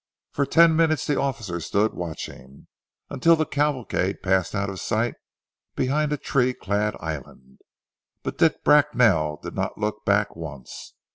For ten minutes the officer stood watching, until the cavalcade passed out of sight behind a tree clad island, but Dick Bracknell did not look back once.